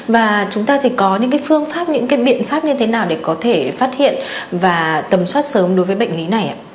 và chúng ta có những phương pháp những biện pháp như thế nào để có thể phát hiện và tầm soát sớm đối với bệnh lý này